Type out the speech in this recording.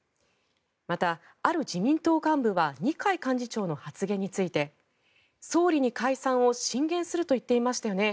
また、ある自民党幹部は二階幹事長の発言について総理に解散を進言すると言っていましたよね？